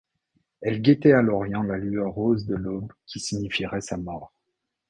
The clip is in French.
Elle guettait à l’orient la lueur rose de l’aube qui signifierait sa mort.